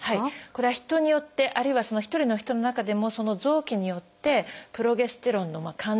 これは人によってあるいはその１人の人の中でもその臓器によってプロゲステロンの感じ方